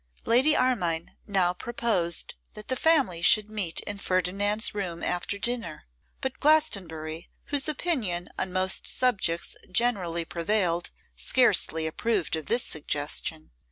LADY ARMINE now proposed that the family should meet in Ferdinand's room after dinner; but Glastonbury, whose opinion on most subjects generally prevailed, scarcely approved of this suggestion.